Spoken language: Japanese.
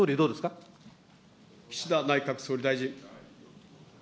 岸田内閣総理大臣。